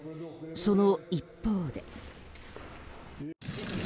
その一方で。